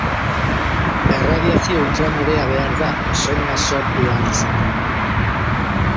Erradiazio ultramorea behar da ozonoa sortu ahal izateko.